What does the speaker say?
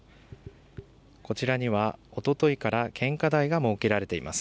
こちらにはおとといから献花台が設けられています。